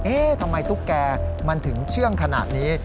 ทำไมตุ๊กแกมันถึงเชื่องขนาดนี้